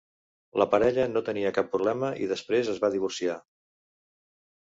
La parella no tenia cap problema i després es va divorciar.